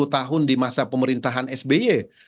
sepuluh tahun di masa pemerintahan sby